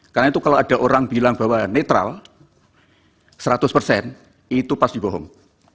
karena itu kalau ada orang bilang bahwa netral seratus persen itu pasti bohong